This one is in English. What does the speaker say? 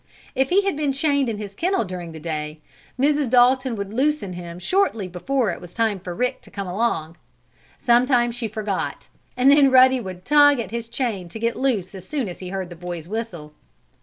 If he had been chained in his kennel during the day Mrs. Dalton would loosen him shortly before it was time for Rick to come along. Sometimes she forgot, and then Ruddy would tug at his chain to get loose as soon as he heard the boy's whistle.